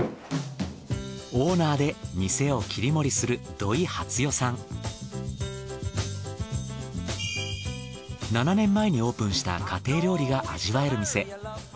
オーナーで店を切り盛りする７年前にオープンした家庭料理が味わえる店。